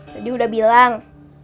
jadi udah bilang